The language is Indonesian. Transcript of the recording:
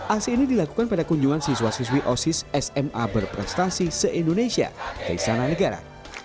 aksi ini dilakukan pada kunjungan siswa siswi osis sma berprestasi se indonesia ke istana negara